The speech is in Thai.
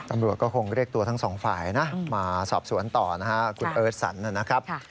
ตำรวจก็คงเรียกตัวทั้งสองฝ่ายนะมาสอบสวนต่อนะฮะคุณเอิร์ทสันนะครับ